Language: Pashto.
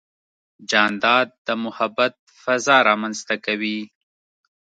جانداد د محبت فضا رامنځته کوي.